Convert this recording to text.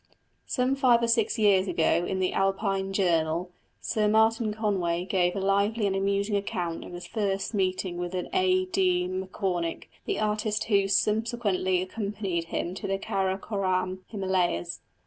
Some five or six years ago, in the Alpine Journal, Sir Martin Conway gave a lively and amusing account of his first meeting with A. D. M'Cormick, the artist who subsequently accompanied him to the Karakoram Himalayas.